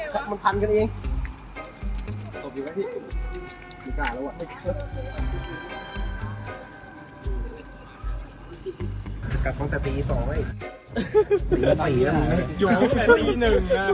กับตั้งแต่ปีสองเว้ยสี่สี่อยู่ถ้านี้หนึ่งอ่ะ